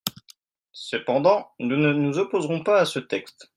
Cependant, nous ne nous opposerons pas à ce texte.